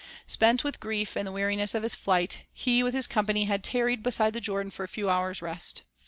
Spent with grief and the weariness of his flight, he with his com pany had tarried beside the Jordan for a few hours' rest.